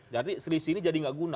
jadi selisih ini jadi nggak guna